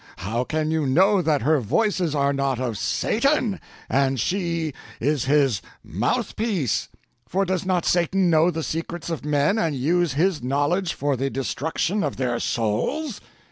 How can you know that her Voices are not of Satan, and she his mouthpiece?—for does not Satan know the secrets of men and use his knowledge for the destruction of their souls?